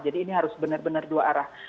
jadi ini harus benar benar dua arah